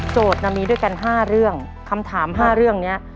มีด้วยกัน๕เรื่องคำถาม๕เรื่องนี้